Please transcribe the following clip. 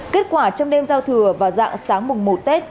kết quả trong đêm giao thừa vào dạng sáng mừng một tết